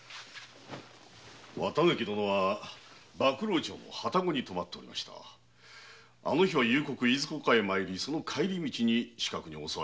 綿貫殿は馬喰町の旅籠に泊まっておりあの日は夕刻いずこかへ参りその帰り道に刺客に襲われたものと。